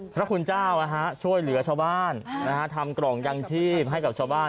พระคุณเจ้าช่วยเหลือชาวบ้านทำกล่องยังชีพให้กับชาวบ้าน